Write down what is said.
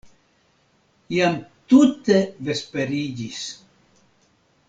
Jam tute vesperiĝis.